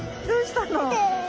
どうした？